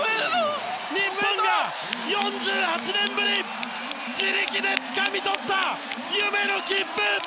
日本が４８年ぶり自力でつかみ取った夢の切符！